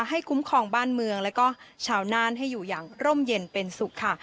คุ้มครองบ้านเมืองแล้วก็ชาวน่านให้อยู่อย่างร่มเย็นเป็นสุขค่ะ